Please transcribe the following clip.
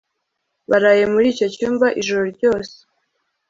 baraye muri icyo cyumba ijoro ryose